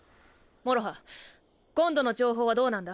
もろは今度の情報はどうなんだ？